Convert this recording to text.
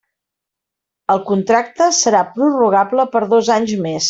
El contracte serà prorrogable per dos anys més.